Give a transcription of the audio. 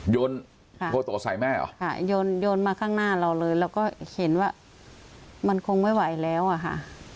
โยนโพโตใส่แม่เหรอค่ะโยนโยนมาข้างหน้าเราเลยเราก็เห็นว่ามันคงไม่ไหวแล้วอะค่ะ